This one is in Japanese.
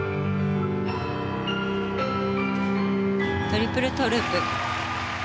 トリプルトウループ。